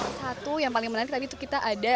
satu yang paling menarik tadi itu kita ada